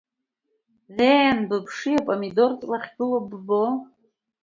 Леен, быԥши апомидор ҵла ахьгылоу ббо!